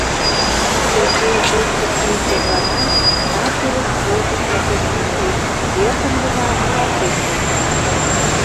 Сергей кочкын-йӱын тӧрлана, нар тӱрыш йолжым сакен шинчеш, эркын гына муралтен колта: